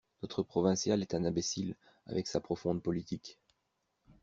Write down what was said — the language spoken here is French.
Notre Provincial est un imbécile, avec sa profonde politique.